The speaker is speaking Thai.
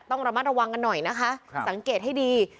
ต้องระมัดระวังกันหน่อยนะคะสังเกตให้ดี